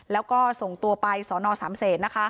แล้วก็ส่งตัวไปสนสามเศษนะคะ